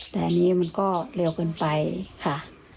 แต่อันนี้มันก็เร็วเกินไปค่ะ